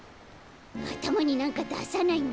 あたまになんかださないの？